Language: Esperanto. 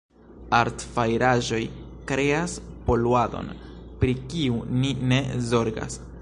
Artfajraĵoj kreas poluadon, pri kiu ni ne zorgas.